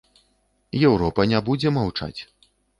Еўропа не будзе маўчаць.